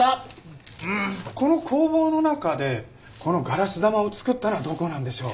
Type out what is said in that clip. この工房の中でこのガラス玉を作ったのはどこなんでしょう？